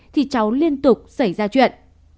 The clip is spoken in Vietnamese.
thì cháu liên tục xảy ra chuyện